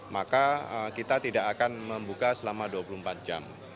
maka kita tidak akan membuka selama dua puluh empat jam